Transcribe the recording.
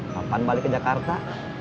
kapan balik ke jakarta